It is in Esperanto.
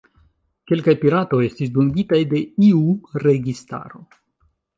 Kelkaj piratoj estis dungitaj de iu registaro.